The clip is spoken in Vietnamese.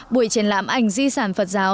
buổi triển lãm ảnh di sản phật giáo